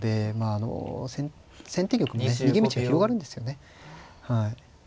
あの先手玉ね逃げ道が広がるんですよね。